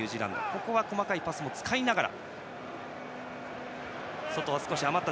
ここは細かいパスも使いながら。